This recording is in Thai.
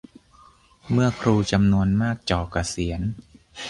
เมื่อครูจำนวนมากจ่อเกษียณ